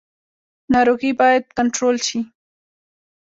ناروغي باید کنټرول شي